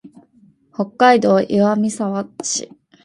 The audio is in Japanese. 北海道岩見沢市